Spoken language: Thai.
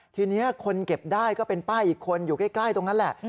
ทีนี้คนเก็บได้ก็เป็นป้าอีกคนอยู่ใกล้ตรงนั้นแหละ